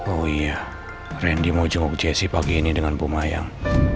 oh iya randy mau jenguk jessy pagi ini dengan pumayang